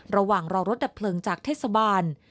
ระหว่างรอรถดับเพลิงจากเทศบาล